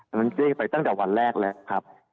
อันนั้นแจ้งไปตั้งแต่วันแรกแล้วครับ